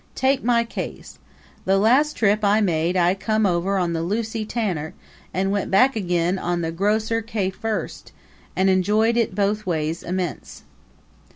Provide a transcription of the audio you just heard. Take my case. The last trip I made I come over on the Lucy Tanner and went back agin on the Grocer K. First and enjoyed it both ways immense!"